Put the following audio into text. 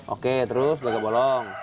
oke terus gagak bolong